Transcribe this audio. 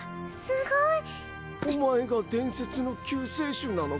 すごい！お前が伝説の救世主なのか？